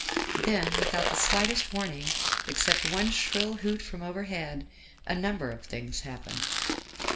Then without the slightest warning, except one shrill hoot from overhead, a number of things happened.